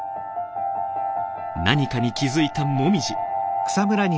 何かに気付いたもみじ。